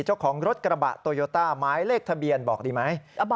เจ้าของรถกระบะโตโยต้าหมายเลขทะเบียนบอกดีไหม